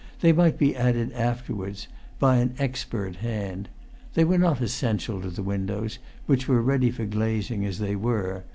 They might be added afterwards by an expert hand. They were not essential to the windows, which were ready for glazing as they were.